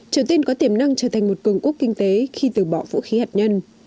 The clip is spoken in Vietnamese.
triều tiên có tiềm năng trở thành một cường quốc kinh tế khi từ bỏ vũ khí hạt nhân